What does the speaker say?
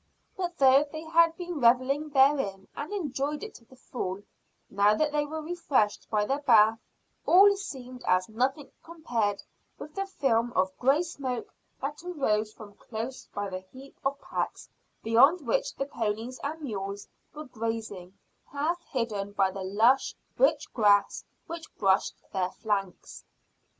But though they had been revelling therein, and enjoyed it to the full, now that they were refreshed by their bath all seemed as nothing compared with the film of grey smoke that arose from close by the heap of packs beyond which the ponies and mules were grazing, half hidden by the lush rich grass which brushed their flanks.